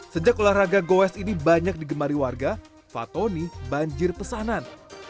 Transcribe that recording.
sejak olahraga goes ini banyak digemari warga fatoni banjir pesanan